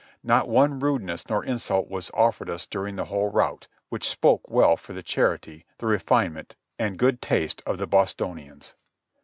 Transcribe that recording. Not one rudeness nor insult was offered us during the whole route, which spoke well for the charity, the refinement and good taste of the Bostonians.